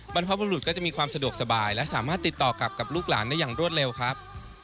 บรรพบุรุษก็จะมีความสะดวกสบายและสามารถติดต่อกลับกับลูกหลานได้อย่างรวดเร็วครับ